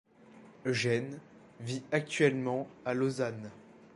Eugène vit actuellement à Lausanne.